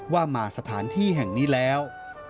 ว่ามาสถานที่แห่งนี้แล้ว